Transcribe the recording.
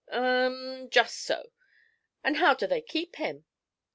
'U m m just so. And how do they keep him?'